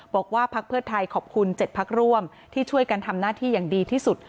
พักเพื่อไทยขอบคุณ๗พักร่วมที่ช่วยกันทำหน้าที่อย่างดีที่สุด